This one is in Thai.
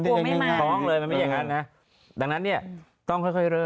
ดังนั้นเนี่ยต้องค่อยเริ่ม